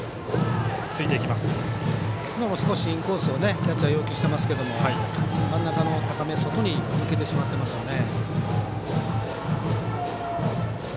今も少しインコースキャッチャーは要求してますけど真ん中の高め外に抜けてしまっていますよね。